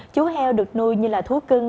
chú heo được nuôi như là thú cưng